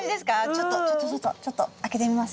ちょっとちょっとちょっとちょっと開けてみます。